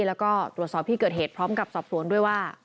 แล้วก็ตรวจสอบที่เกิดเหตุพร้อมกับสอบสวนด้วยว่า